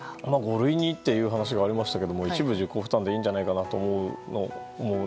五類にっていう話がありましたけど一部自己負担でいいんじゃないかなと思います。